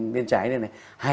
bên trái này này